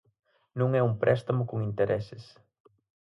Non é un préstamo con intereses.